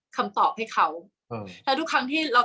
กากตัวทำอะไรบ้างอยู่ตรงนี้คนเดียว